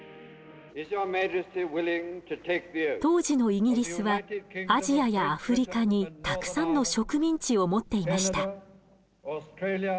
当時のイギリスはアジアやアフリカにたくさんの植民地を持っていました。